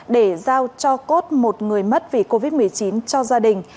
để giao cho cốt một người mất vì covid một mươi chín cho gia đình